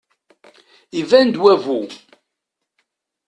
Iban-d wabu.